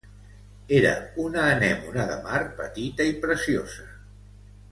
Era una anemone de mar, petita i preciosa.